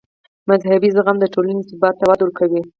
مذهبي زغم د ټولنې ثبات ته وده ورکوي.